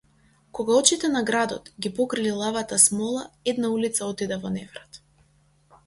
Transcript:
Кога очите на градот ги покри лилава смола една улица отиде во неврат.